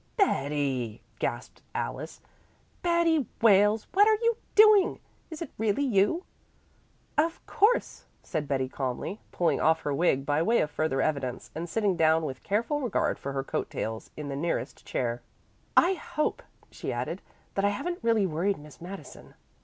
"Betty!" gasped Alice. "Betty Wales, what are you doing? Is it really you?" "Of course," said Betty calmly, pulling off her wig by way of further evidence, and sitting down with careful regard for her coattails in the nearest chair. "I hope," she added, "that I haven't really worried Miss Madison.